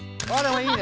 いいね！